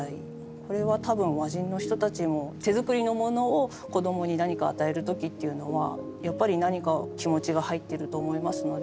これは多分和人の人たちも手作りのものを子供に何か与える時っていうのはやっぱり何か気持ちが入ってると思いますので。